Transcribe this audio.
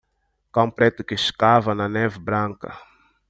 Cão preto que escava na neve branca.